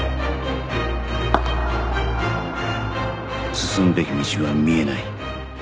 進むべき道は見えない